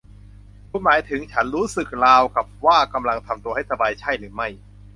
คุณหมายถึงฉันรู้สึกราวกับว่ากำลังทำตัวให้สบายใช่หรือไม่